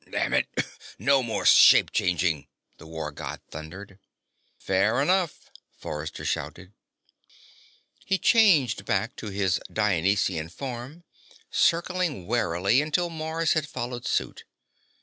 "Damn it, no more shape changing!" the War God thundered. "Fair enough!" Forrester shouted. He changed back to his Dionysian form, circling warily until Mars had followed suit.